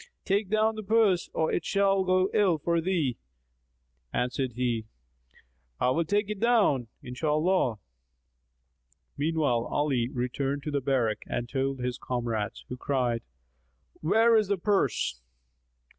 Take down the purse or it shall go ill for thee." Answered he, "I will take it down, Inshallah!" Meanwhile Ali returned to the barrack and told his comrades who cried, "Where is the purse?"